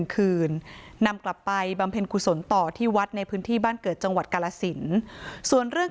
คืนนำกลับไปบำเพ็ญกุศลต่อที่วัดในพื้นที่บ้านเกิดจังหวัดกาลสินส่วนเรื่อง